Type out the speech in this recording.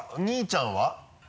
兄ちゃんは？